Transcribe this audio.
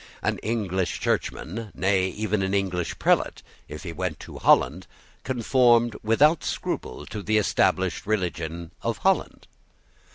An English churchman, nay even an English prelate, if he went to Holland, conformed without scruple to the established religion of Holland.